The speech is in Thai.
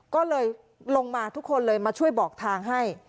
ก็เลยลงมาทุกคนเลยมาช่วยบอกทางให้